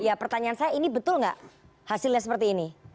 jadi pertanyaan saya ini betul nggak hasilnya seperti ini